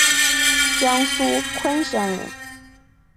江苏昆山人。